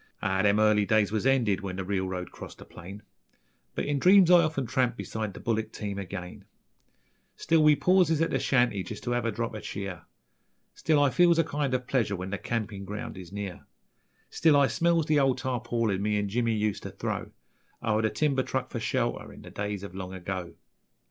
Ah, them early days was ended when the reelroad crossed the plain, But in dreams I often tramp beside the bullick team again: Still we pauses at the shanty just to have a drop er cheer, Still I feels a kind ov pleasure when the campin' ground is near; Still I smells the old tarpaulin me an' Jimmy useter throw O'er the timber truck for shelter in the days ov long ago.